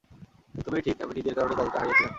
তুমিই ঠিক, আমি নিজের কারণে দলটা হারিয়েছিলাম।